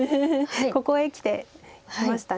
ここへきて出ました。